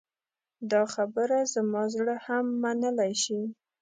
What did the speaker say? دا خبره زما زړه هم منلی شي.